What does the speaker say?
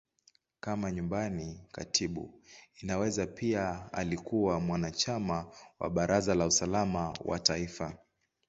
Kama Nyumbani Katibu, Inaweza pia alikuwa mwanachama wa Baraza la Usalama wa Taifa.